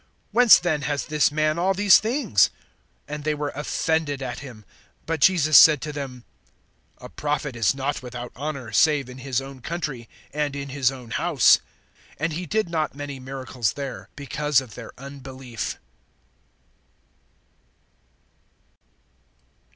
Whence then has this man all these things? (57)And they were offended at him. But Jesus said to them: A prophet is not without honor, save in his own country, and in his own house. (58)And he did not many miracles there, because of their unbelief.